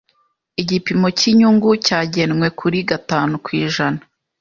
Igipimo cyinyungu cyagenwe kuri gatanu kwijana